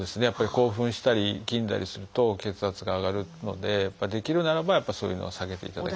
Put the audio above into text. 興奮したりいきんだりすると血圧が上がるのでできるならばそういうのは避けていただきたい。